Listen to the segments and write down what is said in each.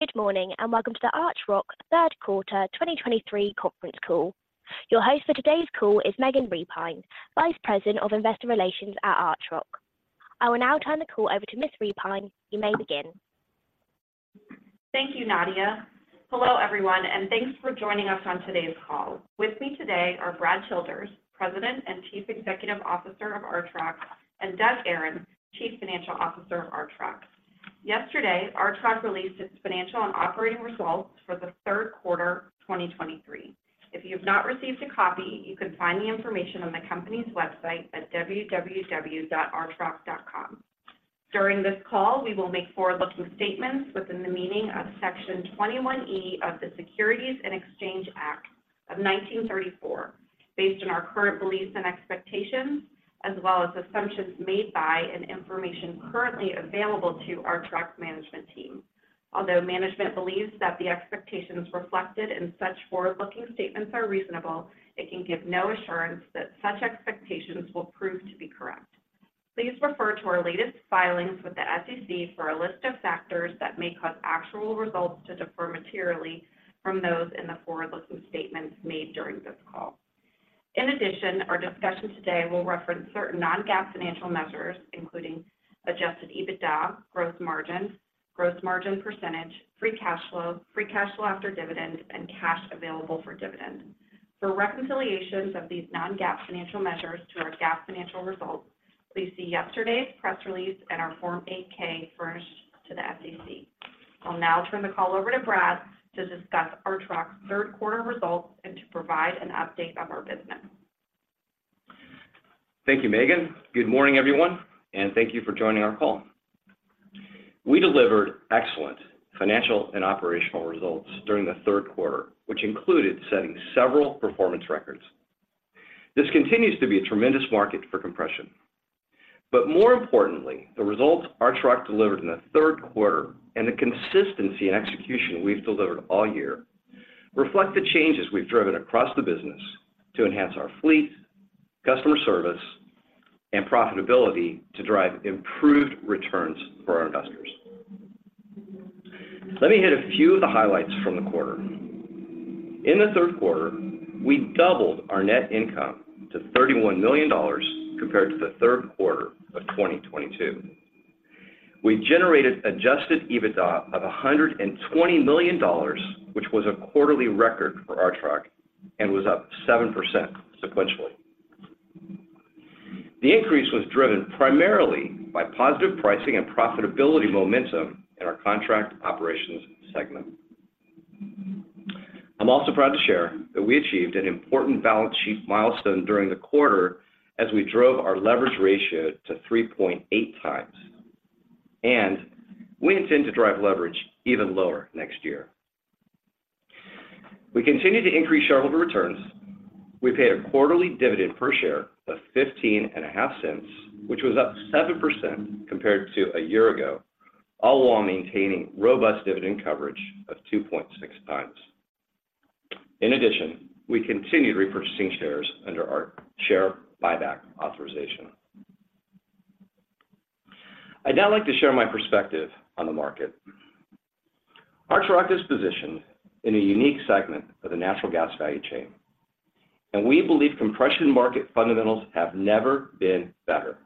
Good morning, and welcome to the Archrock Q3 2023 conference call. Your host for today's call is Megan Repine, Vice President of Investor Relations at Archrock. I will now turn the call over to Ms. Repine. You may begin. Thank you, Nadia. Hello, everyone, and thanks for joining us on today's call. With me today are Brad Childers, President and Chief Executive Officer of Archrock, and Doug Aron, Chief Financial Officer of Archrock. Yesterday, Archrock released its financial and operating results for the Q3 2023. If you've not received a copy, you can find the information on the company's website at www.archrock.com. During this call, we will make forward-looking statements within the meaning of Section 21E of the Securities and Exchange Act of 1934, based on our current beliefs and expectations, as well as assumptions made by and information currently available to Archrock management team. Although management believes that the expectations reflected in such forward-looking statements are reasonable, it can give no assurance that such expectations will prove to be correct. Please refer to our latest filings with the SEC for a list of factors that may cause actual results to differ materially from those in the forward-looking statements made during this call. In addition, our discussion today will reference certain non-GAAP financial measures, including Adjusted EBITDA, adjusted gross margin, adjusted gross margin percentage, free cash flow, free cash flow after dividends, and cash available for dividends. For reconciliations of these non-GAAP financial measures to our GAAP financial results, please see yesterday's press release and our Form 8-K furnished to the SEC. I'll now turn the call over to Brad to discuss Archrock's Q3 results and to provide an update on our business. Thank you, Megan. Good morning, everyone, and thank you for joining our call. We delivered excellent financial and operational results during the Q3, which included setting several performance records. This continues to be a tremendous market for compression, but more importantly, the results Archrock delivered in the Q3 and the consistency and execution we've delivered all year reflect the changes we've driven across the business to enhance our fleet, customer service, and profitability to drive improved returns for our investors. Let me hit a few of the highlights from the quarter. In the Q3, we doubled our net income to $31 million compared to the Q3 of 2022. We generated Adjusted EBITDA of $120 million, which was a quarterly record for Archrock and was up 7% sequentially. The increase was driven primarily by positive pricing and profitability momentum in our contract operations segment. I'm also proud to share that we achieved an important balance sheet milestone during the quarter as we drove our leverage ratio to 3.8 times, and we intend to drive leverage even lower next year. We continued to increase shareholder returns. We paid a quarterly dividend per share of $0.155, which was up 7% compared to a year ago, all while maintaining robust dividend coverage of 2.6 times. In addition, we continued repurchasing shares under our share buyback authorization. I'd now like to share my perspective on the market. Archrock is positioned in a unique segment of the natural gas value chain, and we believe compression market fundamentals have never been better.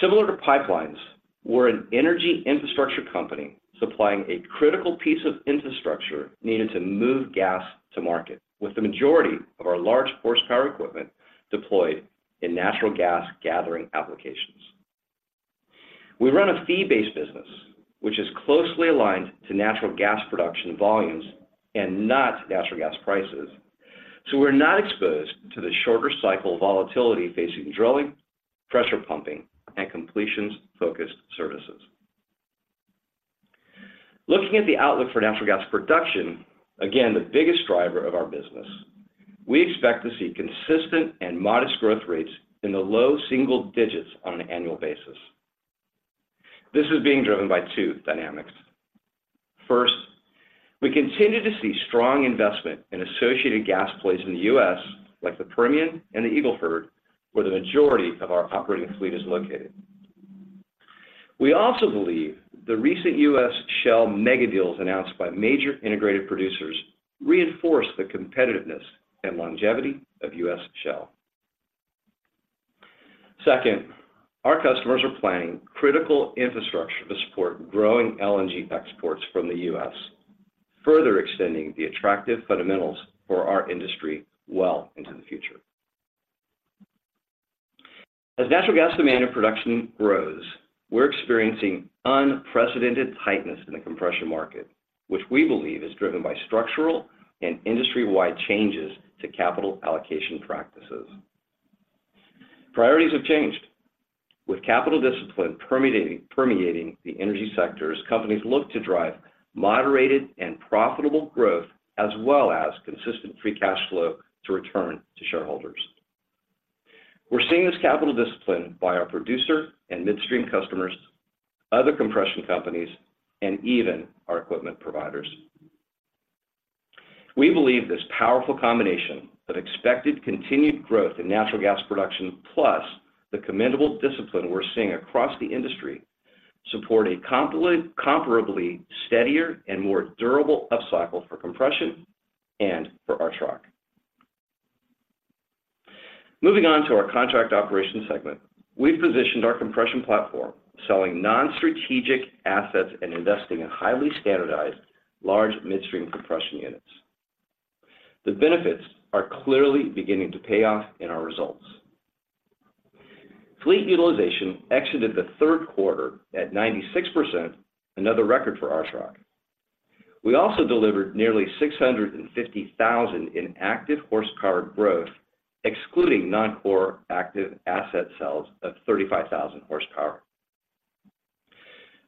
Similar to pipelines, we're an energy infrastructure company supplying a critical piece of infrastructure needed to move gas to market, with the majority of our large horsepower equipment deployed in natural gas gathering applications. We run a fee-based business, which is closely aligned to natural gas production volumes and not natural gas prices. So we're not exposed to the shorter cycle volatility facing drilling, pressure pumping, and completions-focused services. Looking at the outlook for natural gas production, again, the biggest driver of our business, we expect to see consistent and modest growth rates in the low single digits on an annual basis. This is being driven by two dynamics. First, we continue to see strong investment in associated gas plays in the U.S., like the Permian and the Eagle Ford, where the majority of our operating fleet is located. We also believe the recent U.S. shale megadeals announced by major integrated producers reinforce the competitiveness and longevity of U.S. shale. Second, our customers are planning critical infrastructure to support growing LNG exports from the U.S., further extending the attractive fundamentals for our industry well into the future. As natural gas demand and production grows, we're experiencing unprecedented tightness in the compression market, which we believe is driven by structural and industry-wide changes to capital allocation practices. Priorities have changed. With capital discipline permeating the energy sector as companies look to drive moderated and profitable growth, as well as consistent free cash flow to return to shareholders. We're seeing this capital discipline by our producer and midstream customers, other compression companies, and even our equipment providers. We believe this powerful combination of expected continued growth in natural gas production, plus the commendable discipline we're seeing across the industry, support a comparably steadier and more durable upcycle for compression and for Archrock. Moving on to our contract operations segment. We've positioned our compression platform, selling non-strategic assets and investing in highly standardized, large midstream compression units. The benefits are clearly beginning to pay off in our results. Fleet utilization exited the Q3 at 96%, another record for Archrock. We also delivered nearly 650,000 in active horsepower growth, excluding non-core active asset sales of 35,000 horsepower.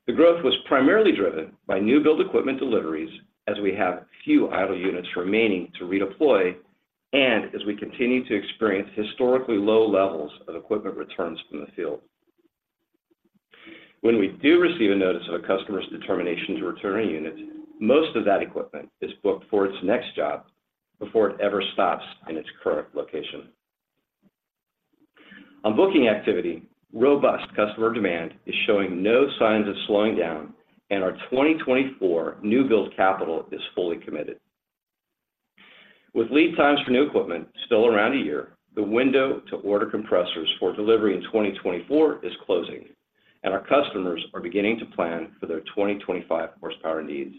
The growth was primarily driven by new build equipment deliveries, as we have few idle units remaining to redeploy, and as we continue to experience historically low levels of equipment returns from the field. When we do receive a notice of a customer's determination to return a unit, most of that equipment is booked for its next job before it ever stops in its current location. On booking activity, robust customer demand is showing no signs of slowing down, and our 2024 new build capital is fully committed. With lead times for new equipment still around a year, the window to order compressors for delivery in 2024 is closing, and our customers are beginning to plan for their 2025 horsepower needs.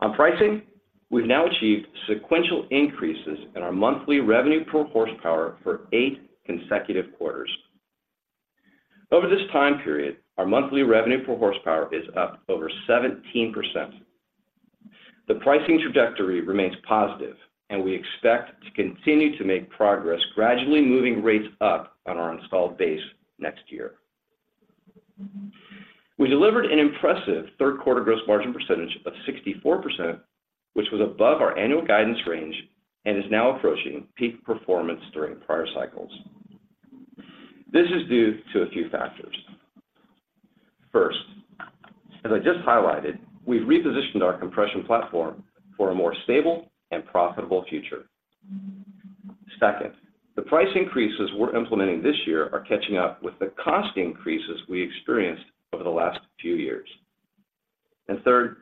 On pricing, we've now achieved sequential increases in our monthly revenue per horsepower for 8 consecutive quarters. Over this time period, our monthly revenue per horsepower is up over 17%. The pricing trajectory remains positive, and we expect to continue to make progress, gradually moving rates up on our installed base next year. We delivered an impressive Q3 gross margin percentage of 64%, which was above our annual guidance range and is now approaching peak performance during prior cycles. This is due to a few factors. First, as I just highlighted, we've repositioned our compression platform for a more stable and profitable future. Second, the price increases we're implementing this year are catching up with the cost increases we experienced over the last few years. And third,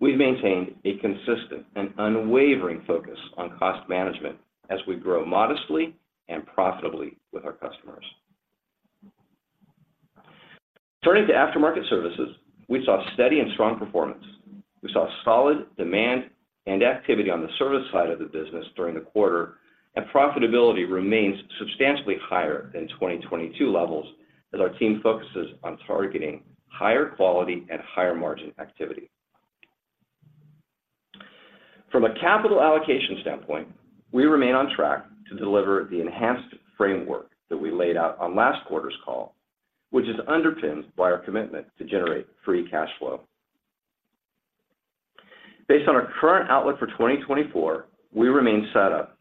we've maintained a consistent and unwavering focus on cost management as we grow modestly and profitably with our customers. Turning to aftermarket services, we saw steady and strong performance. We saw solid demand and activity on the service side of the business during the quarter, and profitability remains substantially higher than 2022 levels as our team focuses on targeting higher quality and higher margin activity. From a capital allocation standpoint, we remain on track to deliver the enhanced framework that we laid out on last quarter's call, which is underpinned by our commitment to generate free cash flow. Based on our current outlook for 2024, we remain set up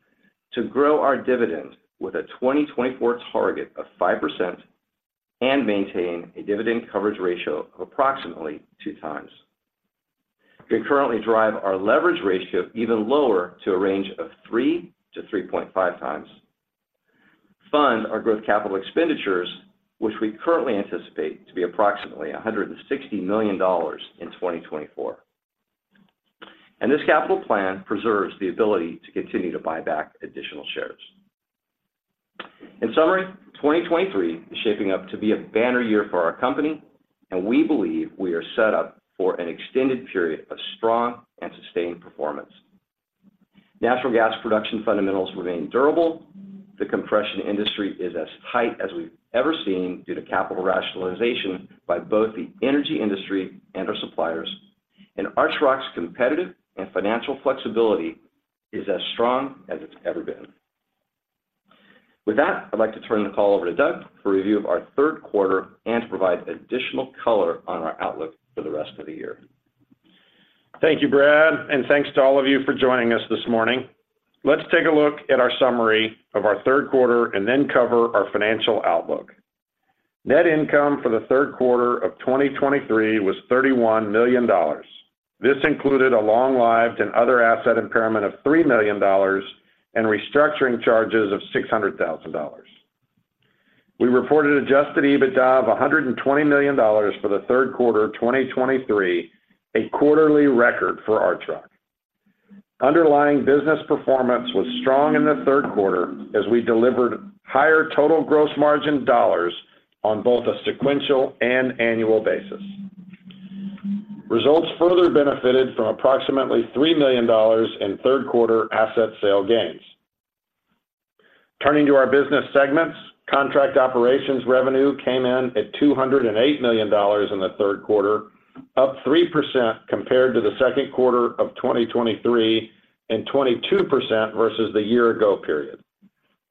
to grow our dividend with a 2024 target of 5% and maintain a dividend coverage ratio of approximately 2 times. We currently drive our leverage ratio even lower to a range of 3-3.5 times. Fund our growth capital expenditures, which we currently anticipate to be approximately $160 million in 2024. And this capital plan preserves the ability to continue to buy back additional shares. In summary, 2023 is shaping up to be a banner year for our company, and we believe we are set up for an extended period of strong and sustained performance. Natural gas production fundamentals remain durable. The compression industry is as tight as we've ever seen due to capital rationalization by both the energy industry and our suppliers. Archrock's competitive and financial flexibility is as strong as it's ever been. With that, I'd like to turn the call over to Doug for a review of our Q3 and to provide additional color on our outlook for the rest of the year. Thank you, Brad, and thanks to all of you for joining us this morning. Let's take a look at our summary of our Q3 and then cover our financial outlook. Net income for the Q3 of 2023 was $31 million. This included a long-lived and other asset impairment of $3 million and restructuring charges of $600,000. We reported adjusted EBITDA of $120 million for the Q3 of 2023, a quarterly record for Archrock. Underlying business performance was strong in the Q3 as we delivered higher total gross margin dollars on both a sequential and annual basis. Results further benefited from approximately $3 million in Q3 asset sale gains. Turning to our business segments, contract operations revenue came in at $208 million in the Q3, up 3% compared to the second quarter of 2023, and 22% versus the year ago period.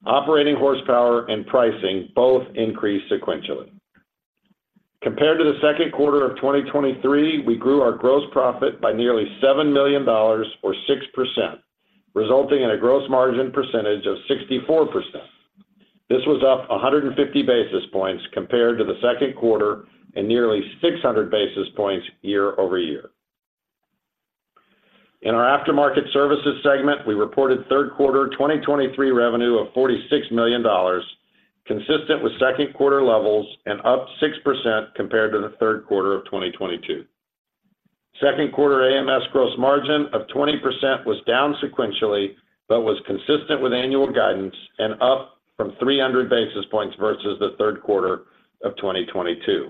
Operating horsepower and pricing both increased sequentially. Compared to the second quarter of 2023, we grew our gross profit by nearly $7 million or 6%, resulting in a gross margin percentage of 64%. This was up 150 basis points compared to the second quarter, and nearly 600 basis points year-over-year. In our aftermarket services segment, we reported Q3 2023 revenue of $46 million, consistent with second quarter levels and up 6% compared to the Q3 of 2022. Q2 AMS gross margin of 20% was down sequentially but was consistent with annual guidance and up from 300 basis points versus the Q3 of 2022.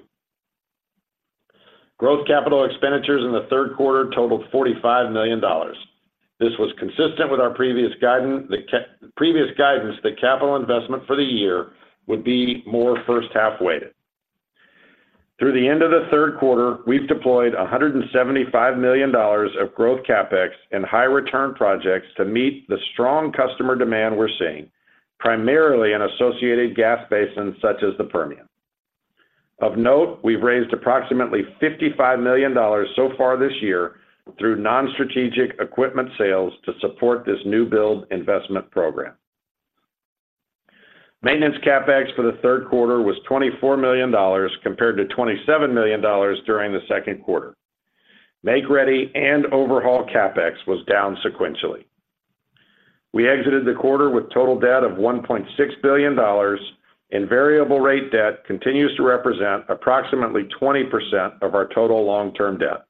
Growth capital expenditures in the Q3 totaled $45 million. This was consistent with our previous guidance that capital investment for the year would be more first half weighted. Through the end of the Q3, we've deployed $175 million of growth CapEx in high return projects to meet the strong customer demand we're seeing, primarily in associated gas basins such as the Permian. Of note, we've raised approximately $55 million so far this year through non-strategic equipment sales to support this new build investment program. Maintenance CapEx for the Q3 was $24 million, compared to $27 million during the second quarter. Make-ready and overhaul CapEx was down sequentially. We exited the quarter with total debt of $1.6 billion, and variable rate debt continues to represent approximately 20% of our total long-term debt.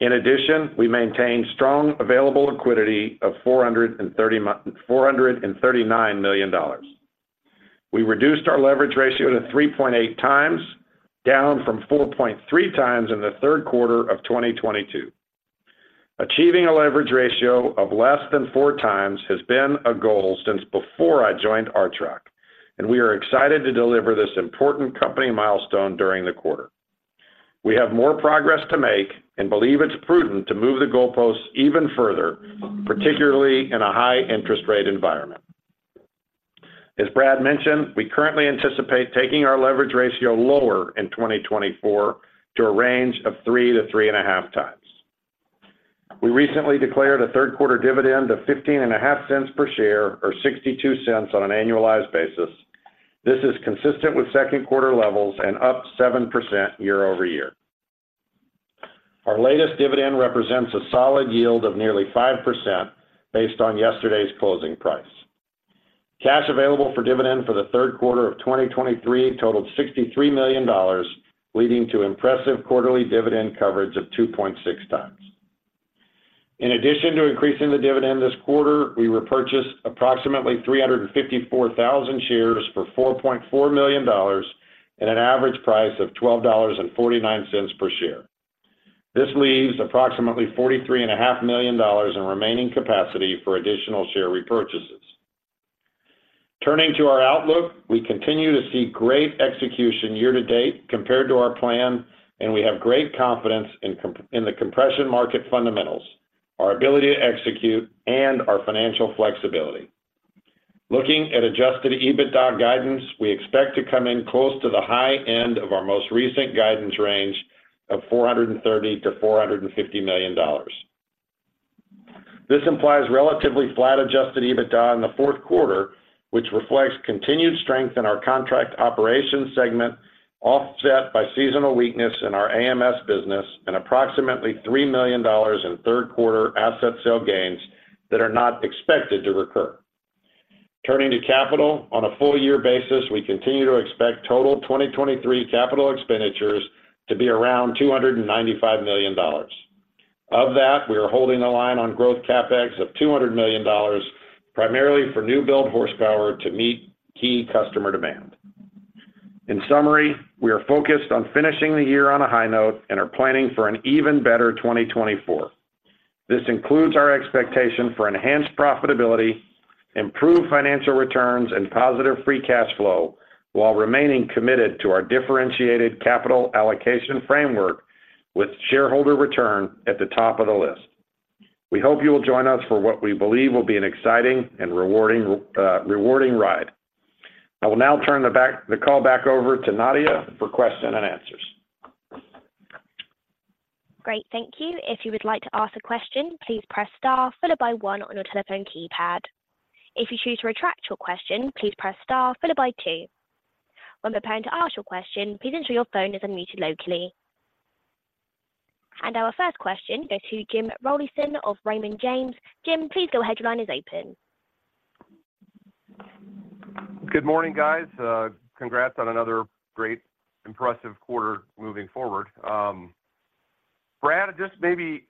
In addition, we maintained strong available liquidity of $439 million. We reduced our leverage ratio to 3.8 times, down from 4.3 times in the Q3 of 2022. Achieving a leverage ratio of less than 4 times has been a goal since before I joined Archrock, and we are excited to deliver this important company milestone during the quarter. We have more progress to make and believe it's prudent to move the goalposts even further, particularly in a high interest rate environment. As Brad mentioned, we currently anticipate taking our leverage ratio lower in 2024 to a range of 3-3.5 times. We recently declared a Q3 dividend of $0.155 per share, or $0.62 on an annualized basis. This is consistent with second quarter levels and up 7% year-over-year. Our latest dividend represents a solid yield of nearly 5% based on yesterday's closing price. Cash available for dividend for the Q3 of 2023 totaled $63 million, leading to impressive quarterly dividend coverage of 2.6 times. In addition to increasing the dividend this quarter, we repurchased approximately 354,000 shares for $4.4 million at an average price of $12.49 per share. This leaves approximately $43.5 million in remaining capacity for additional share repurchases. Turning to our outlook, we continue to see great execution year to date compared to our plan, and we have great confidence in the compression market fundamentals, our ability to execute, and our financial flexibility. Looking at Adjusted EBITDA guidance, we expect to come in close to the high end of our most recent guidance range of $430 million-$450 million. This implies relatively flat Adjusted EBITDA in the Q4, which reflects continued strength in our contract operations segment, offset by seasonal weakness in our AMS business and approximately $3 million in Q3 asset sale gains that are not expected to recur. Turning to capital, on a full year basis, we continue to expect total 2023 capital expenditures to be around $295 million. Of that, we are holding the line on growth CapEx of $200 million, primarily for new build horsepower to meet key customer demand. In summary, we are focused on finishing the year on a high note and are planning for an even better 2024. This includes our expectation for enhanced profitability, improved financial returns, and positive free cash flow, while remaining committed to our differentiated capital allocation framework with shareholder return at the top of the list. We hope you will join us for what we believe will be an exciting and rewarding ride. I will now turn the call back over to Nadia for question and answers. Great. Thank you. If you would like to ask a question, please press star followed by 1 on your telephone keypad. If you choose to retract your question, please press star followed by 2. When preparing to ask your question, please ensure your phone is unmuted locally. And our first question goes to Jim Rollyson of Raymond James. Jim, please go ahead. Your line is open. Good morning, guys. Congrats on another great impressive quarter moving forward. Brad, just maybe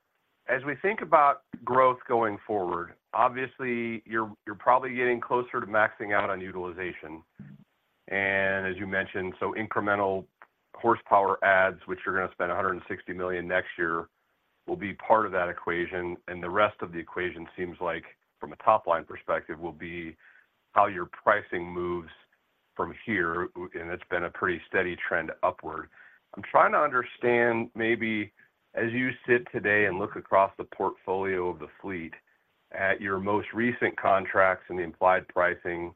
as we think about growth going forward, obviously, you're probably getting closer to maxing out on utilization. And as you mentioned, so incremental horsepower adds, which you're going to spend $160 million next year, will be part of that equation. And the rest of the equation seems like from a top-line perspective, will be how your pricing moves from here, and it's been a pretty steady trend upward. I'm trying to understand, maybe as you sit today and look across the portfolio of the fleet at your most recent contracts and the implied pricing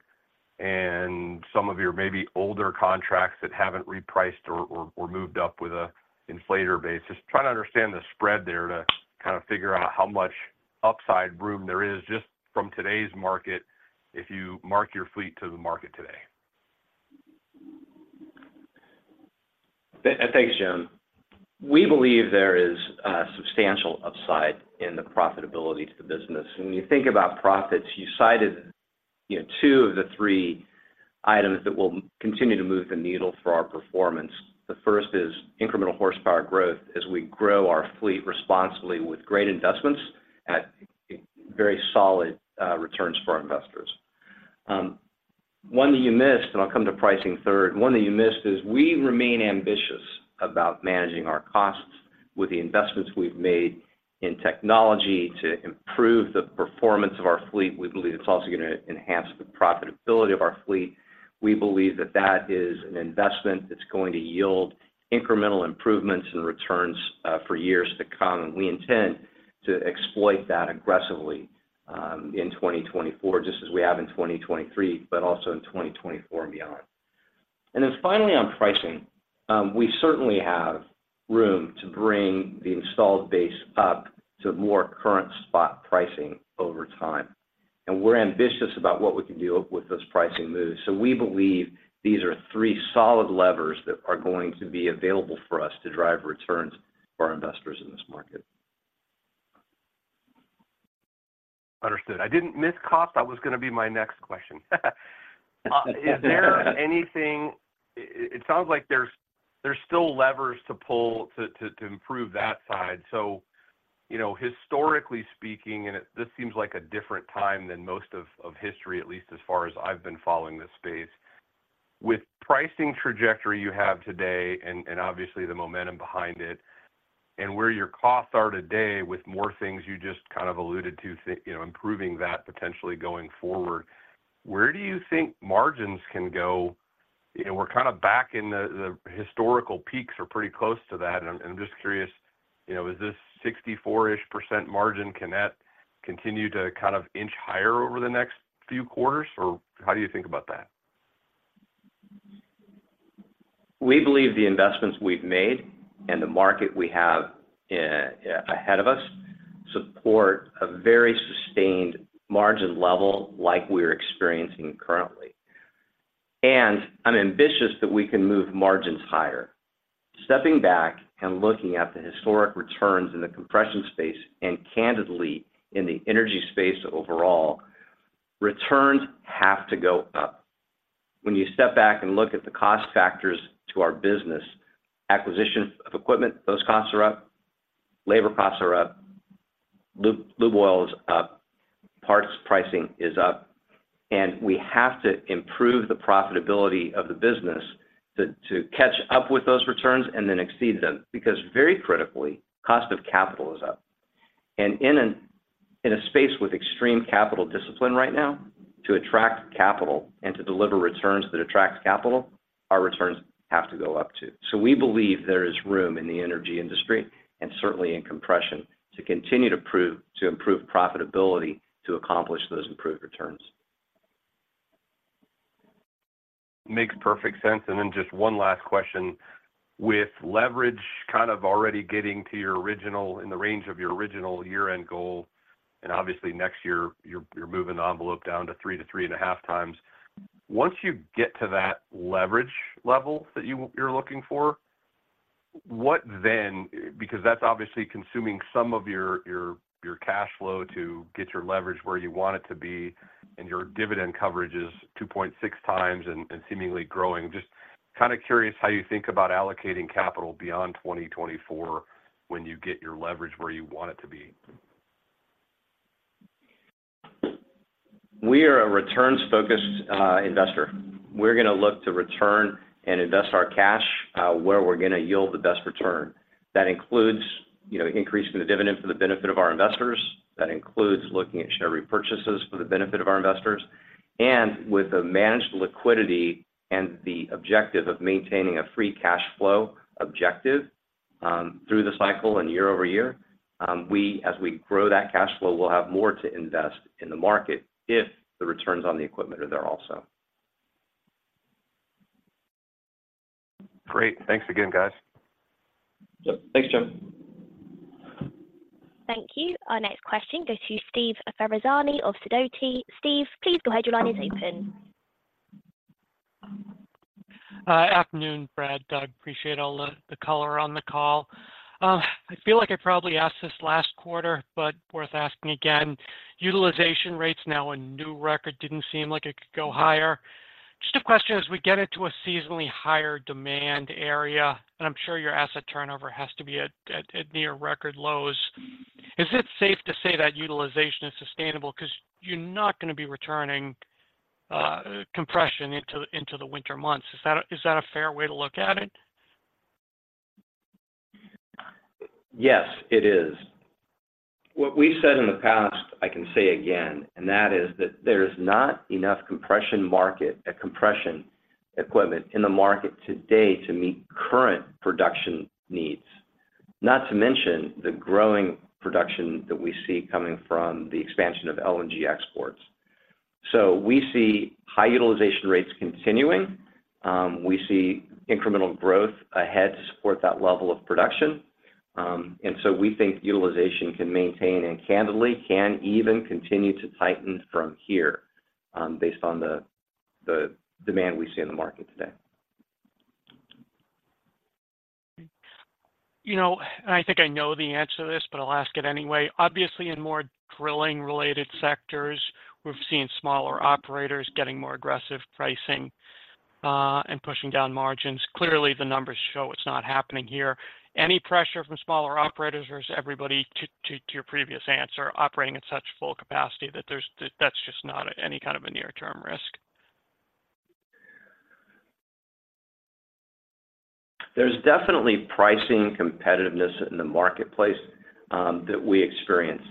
and some of your maybe older contracts that haven't repriced or moved up with an inflation base. Just trying to understand the spread there to kind of figure out how much upside room there is just from today's market, if you mark your fleet to the market today. Thanks, Jim. We believe there is substantial upside in the profitability to the business. When you think about profits, you cited, you know, two of the three items that will continue to move the needle for our performance. The first is incremental horsepower growth as we grow our fleet responsibly with great investments at very solid returns for our investors. One that you missed, and I'll come to pricing third. One that you missed is we remain ambitious about managing our costs with the investments we've made in technology to improve the performance of our fleet. We believe it's also gonna enhance the profitability of our fleet. We believe that that is an investment that's going to yield incremental improvements in returns for years to come, and we intend to exploit that aggressively in 2024, just as we have in 2023, but also in 2024 and beyond. And then finally, on pricing, we certainly have room to bring the installed base up to more current spot pricing over time, and we're ambitious about what we can do with those pricing moves. So we believe these are three solid levers that are going to be available for us to drive returns for our investors in this market. Understood. I didn't miss cost. That was gonna be my next question. Is there anything... It sounds like there's still levers to pull to improve that side. So, you know, historically speaking, and this seems like a different time than most of history, at least as far as I've been following this space. With pricing trajectory you have today, and obviously, the momentum behind it, and where your costs are today, with more things you just kind of alluded to you know, improving that potentially going forward, where do you think margins can go? You know, we're kind of back in the historical peaks or pretty close to that, and I'm just curious, you know, is this 64%-ish margin, can that continue to kind of inch higher over the next few quarters, or how do you think about that? We believe the investments we've made and the market we have ahead of us support a very sustained margin level like we're experiencing currently. And I'm ambitious that we can move margins higher. Stepping back and looking at the historic returns in the compression space, and candidly, in the energy space overall, returns have to go up. When you step back and look at the cost factors to our business, acquisition of equipment, those costs are up, labor costs are up, lube oil is up, parts pricing is up, and we have to improve the profitability of the business to catch up with those returns and then exceed them. Because very critically, cost of capital is up. And in a space with extreme capital discipline right now, to attract capital and to deliver returns that attract capital, our returns have to go up, too. So we believe there is room in the energy industry, and certainly in compression, to continue to improve profitability, to accomplish those improved returns. Makes perfect sense. And then just one last question. With leverage kind of already getting to your original, in the range of your original year-end goal, and obviously, next year, you're, you're moving the envelope down to 3-3.5 times. Once you get to that leverage level that you, you're looking for, what then? Because that's obviously consuming some of your, your, your cash flow to get your leverage where you want it to be, and your dividend coverage is 2.6 times and, and seemingly growing. Just kind of curious how you think about allocating capital beyond 2024 when you get your leverage where you want it to be. We are a returns-focused investor. We're gonna look to return and invest our cash where we're gonna yield the best return. That includes, you know, increasing the dividend for the benefit of our investors. That includes looking at share repurchases for the benefit of our investors. With the managed liquidity and the objective of maintaining a free cash flow objective through the cycle and year-over-year, as we grow that cash flow, we'll have more to invest in the market if the returns on the equipment are there also. Great. Thanks again, guys. Yep. Thanks, Jim. Thank you. Our next question goes to Steve Ferazani of Sidoti. Steve, please go ahead. Your line is open. Afternoon, Brad. Appreciate all the color on the call. I feel like I probably asked this last quarter, but worth asking again: Utilization rates now a new record, didn't seem like it could go higher. Just a question, as we get into a seasonally higher demand area, and I'm sure your asset turnover has to be at near record lows, is it safe to say that utilization is sustainable? Because you're not gonna be returning compression into the winter months. Is that a fair way to look at it? Yes, it is. What we've said in the past, I can say again, and that is that there's not enough compression market, compression equipment in the market today to meet current production needs, not to mention the growing production that we see coming from the expansion of LNG exports. So we see high utilization rates continuing, we see incremental growth ahead to support that level of production. And so we think utilization can maintain, and candidly, can even continue to tighten from here, based on the demand we see in the market today. You know, and I think I know the answer to this, but I'll ask it anyway. Obviously, in more drilling-related sectors, we've seen smaller operators getting more aggressive pricing and pushing down margins. Clearly, the numbers show it's not happening here. Any pressure from smaller operators, or is everybody, to your previous answer, operating at such full capacity that there's, that's just not any kind of a near-term risk? There's definitely pricing competitiveness in the marketplace that we experience.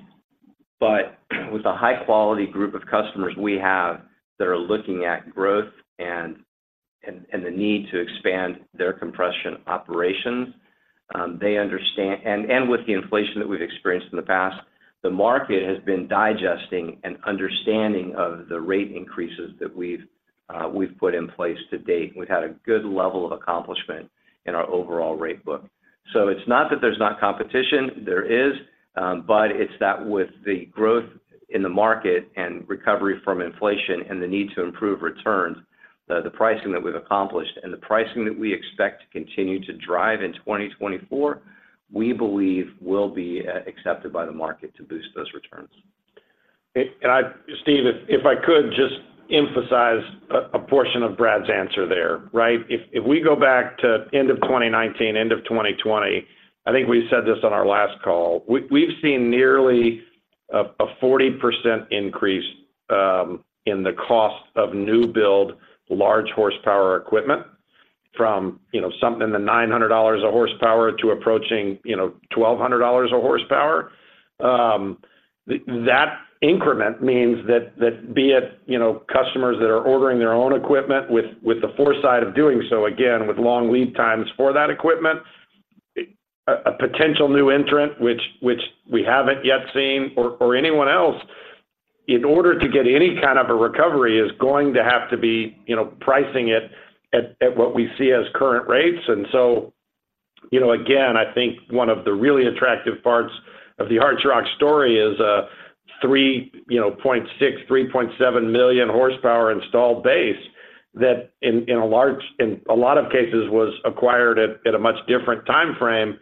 But with the high-quality group of customers we have that are looking at growth and the need to expand their compression operations, they understand. And with the inflation that we've experienced in the past, the market has been digesting and understanding of the rate increases that we've put in place to date. We've had a good level of accomplishment in our overall rate book. So it's not that there's not competition, there is, but it's that with the growth in the market and recovery from inflation and the need to improve returns, the pricing that we've accomplished and the pricing that we expect to continue to drive in 2024, we believe will be accepted by the market to boost those returns. Steve, if I could just emphasize a portion of Brad's answer there, right? If we go back to end of 2019, end of 2020, I think we said this on our last call, we've seen nearly a 40% increase in the cost of new build, large horsepower equipment from, you know, something in the $900 a horsepower to approaching, you know, $1,200 a horsepower. That increment means that, be it, you know, customers that are ordering their own equipment with the foresight of doing so, again, with long lead times for that equipment, a potential new entrant, which we haven't yet seen, or anyone else, in order to get any kind of a recovery, is going to have to be, you know, pricing it at what we see as current rates. And so, you know, again, I think one of the really attractive parts of the Archrock story is a 3.6-3.7 million horsepower installed base, that in a lot of cases, was acquired at a much different time frame.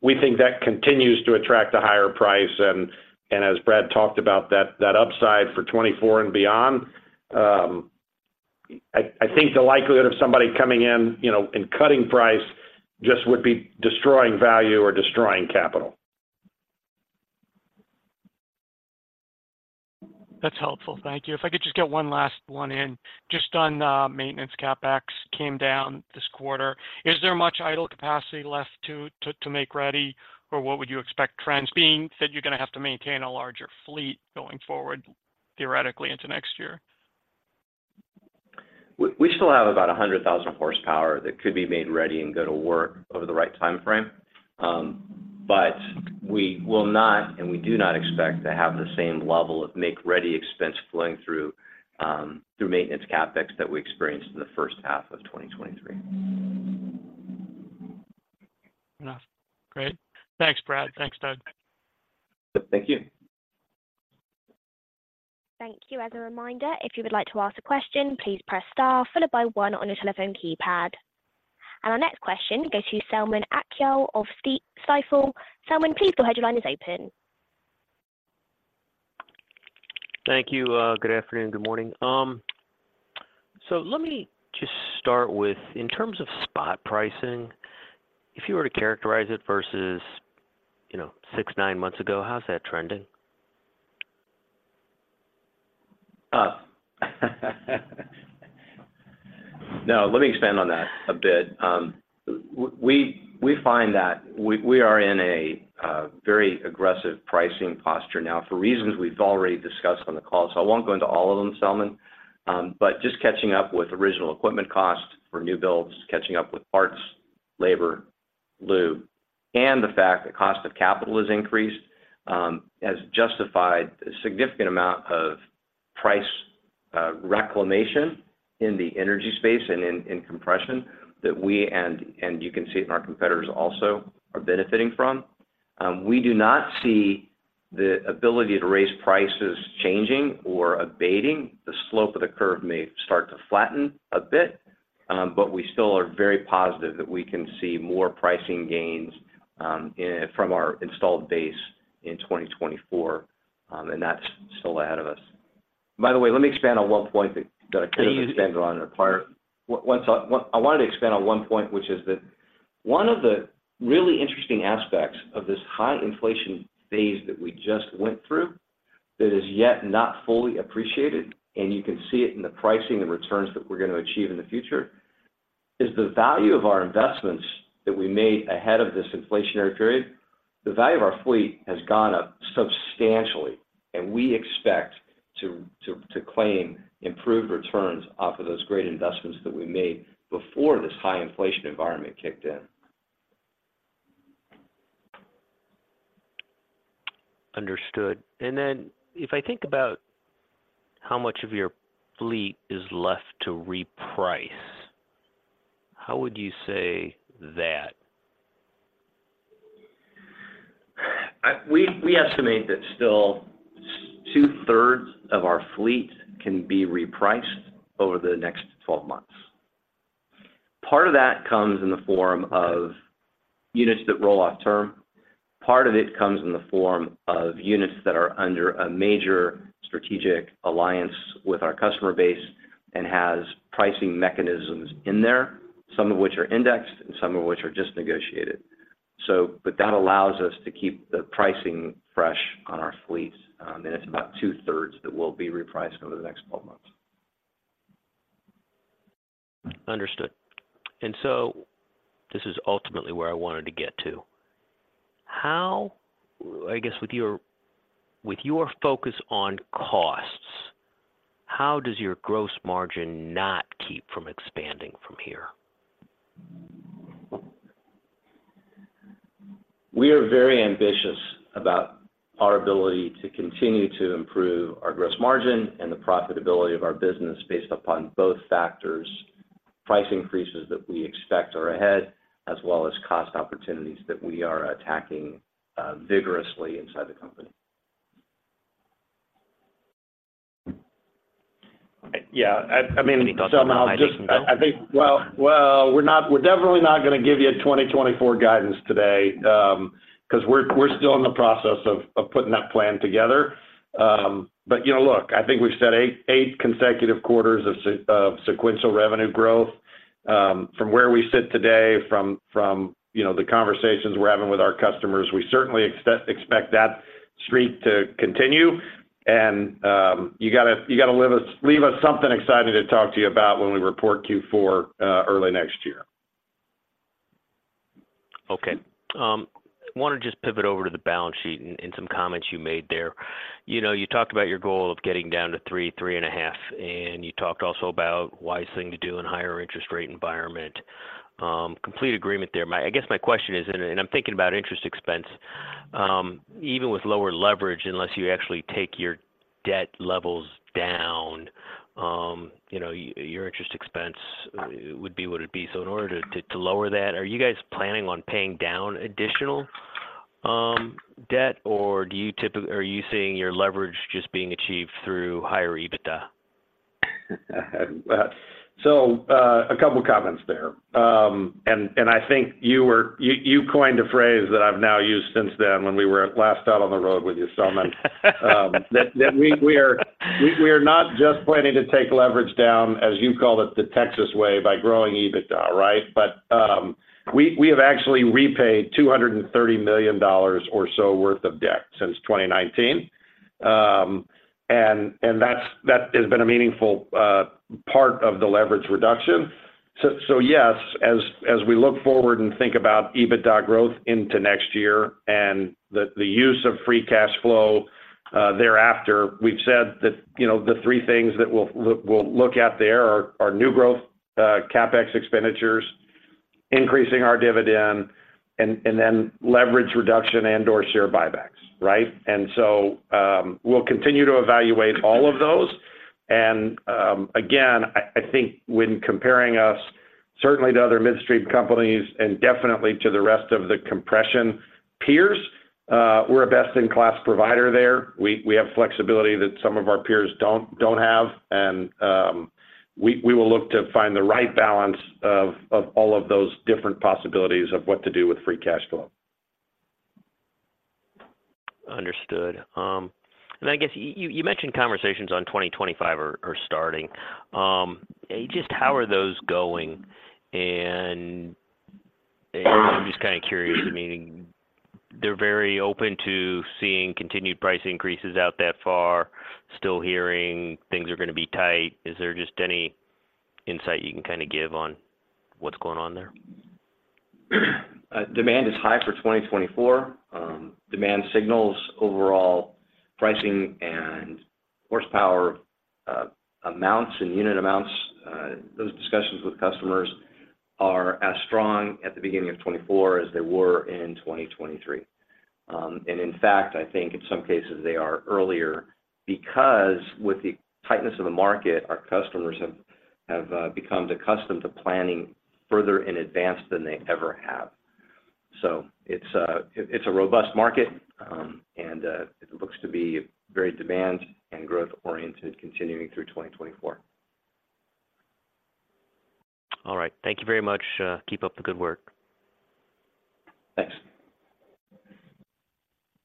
We think that continues to attract a higher price, and as Brad talked about, that upside for 2024 and beyond, I think the likelihood of somebody coming in, you know, and cutting price just would be destroying value or destroying capital. That's helpful. Thank you. If I could just get one last one in. Just on, maintenance CapEx came down this quarter, is there much idle capacity left to make ready, or what would you expect trends being that you're gonna have to maintain a larger fleet going forward, theoretically, into next year? We still have about 100,000 horsepower that could be made ready and go to work over the right time frame. But we will not, and we do not expect to have the same level of make-ready expense flowing through maintenance CapEx that we experienced in the first half of 2023. Enough. Great. Thanks, Brad. Thanks, Doug. Thank you. Thank you. As a reminder, if you would like to ask a question, please press Star followed by 1 on your telephone keypad. Our next question goes to Selman Akyol of Stifel. Selman, please go ahead. Your line is open. Thank you. Good afternoon, good morning. Let me just start with, in terms of spot pricing, if you were to characterize it versus, you know, 6, 9 months ago, how's that trending? Now, let me expand on that a bit. We find that we are in a very aggressive pricing posture now, for reasons we've already discussed on the call, so I won't go into all of them, Selman. But just catching up with original equipment cost for new builds, catching up with parts, labor, lube, and the fact that cost of capital has increased, has justified a significant amount of price reclamation in the energy space and in compression that we and you can see it in our competitors also are benefiting from. We do not see the ability to raise prices changing or abating. The slope of the curve may start to flatten a bit, but we still are very positive that we can see more pricing gains from our installed base in 2024, and that's still ahead of us. By the way, let me expand on one point that- Please- ...that I kind of expanded on it earlier. I wanted to expand on one point, which is that one of the really interesting aspects of this high inflation phase that we just went through, that is yet not fully appreciated, and you can see it in the pricing and returns that we're going to achieve in the future, is the value of our investments that we made ahead of this inflationary period.... The value of our fleet has gone up substantially, and we expect to claim improved returns off of those great investments that we made before this high inflation environment kicked in. Understood. And then if I think about how much of your fleet is left to reprice, how would you say that? We estimate that still two-thirds of our fleet can be repriced over the next 12 months. Part of that comes in the form of units that roll off term. Part of it comes in the form of units that are under a major strategic alliance with our customer base and has pricing mechanisms in there, some of which are indexed and some of which are just negotiated. But that allows us to keep the pricing fresh on our fleets, and it's about two-thirds that will be repriced over the next 12 months. Understood. And so this is ultimately where I wanted to get to: How, I guess, with your focus on costs, how does your gross margin not keep from expanding from here? We are very ambitious about our ability to continue to improve our gross margin and the profitability of our business based upon both factors, price increases that we expect are ahead, as well as cost opportunities that we are attacking, vigorously inside the company. Yeah, I mean, somehow- I think... Well, well, we're not-- we're definitely not gonna give you a 2024 guidance today, because we're still in the process of putting that plan together. But, you know, look, I think we've said eight consecutive quarters of sequential revenue growth. From where we sit today, from, you know, the conversations we're having with our customers, we certainly expect that streak to continue. And, you got to leave us something exciting to talk to you about when we report Q4 early next year. Okay. I want to just pivot over to the balance sheet and some comments you made there. You know, you talked about your goal of getting down to 3-3.5, and you talked also about wise thing to do in a higher interest rate environment. Complete agreement there. My – I guess my question is, and I'm thinking about interest expense, even with lower leverage, unless you actually take your debt levels down, you know, your interest expense would be what it would be. So in order to lower that, are you guys planning on paying down additional debt, or do you typically – are you seeing your leverage just being achieved through higher EBITDA? So, a couple comments there. And I think you coined a phrase that I've now used since then, when we were last out on the road with you, Selman. That we are not just planning to take leverage down, as you called it, the Texas way by growing EBITDA, right? But we have actually repaid $230 million or so worth of debt since 2019. And that has been a meaningful part of the leverage reduction. Yes, as we look forward and think about EBITDA growth into next year and the use of free cash flow thereafter, we've said that, you know, the three things that we'll look at there are new growth CapEx expenditures, increasing our dividend, and then leverage reduction and/or share buybacks, right? So, we'll continue to evaluate all of those. And again, I think when comparing us, certainly to other midstream companies and definitely to the rest of the compression peers, we're a best-in-class provider there. We have flexibility that some of our peers don't have, and we will look to find the right balance of all of those different possibilities of what to do with free cash flow. Understood. And I guess you mentioned conversations on 2025 are starting. Just how are those going? And I'm just kind of curious, meaning they're very open to seeing continued price increases out that far, still hearing things are going to be tight. Is there just any insight you can kind of give on what's going on there? Demand is high for 2024. Demand signals, overall pricing and horsepower amounts and unit amounts, those discussions with customers are as strong at the beginning of 2024 as they were in 2023. And in fact, I think in some cases they are earlier because with the tightness of the market, our customers have become accustomed to planning further in advance than they ever have. So it's a robust market, and it looks to be very demand and growth-oriented continuing through 2024. All right. Thank you very much. Keep up the good work. Thanks.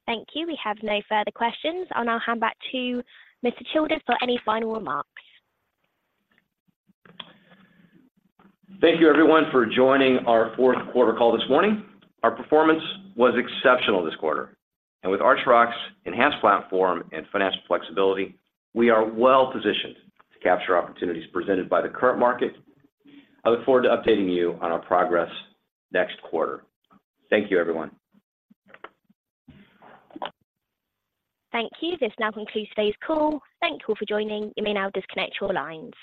Thank you. We have no further questions. I'll now hand back to Mr. Childers for any final remarks. Thank you, everyone, for joining our Q4 call this morning. Our performance was exceptional this quarter, and with Archrock's enhanced platform and financial flexibility, we are well positioned to capture opportunities presented by the current market. I look forward to updating you on our progress next quarter. Thank you, everyone. Thank you. This now concludes today's call. Thank you all for joining. You may now disconnect your lines.